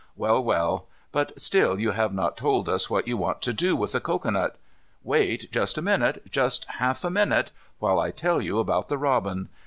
Well, well, but still you have not told us what you want to do with the cocoanut. Wait just a minute, just half a minute, while I tell you about the robin.